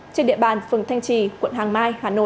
trên địa bàn phường thanh trì quận hoàng mai hà nội